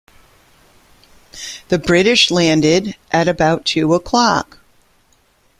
The British landed at about two o'clock.